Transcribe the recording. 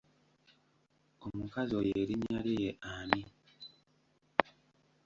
Omukazi oyo erinnya lye ye ani?